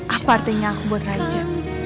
apa artinya aku buat raja